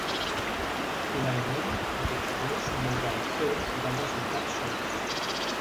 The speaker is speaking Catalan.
Finalment, aquests dos no ho van fer i van resultar absolts.